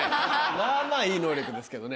まあまあいい能力ですけどね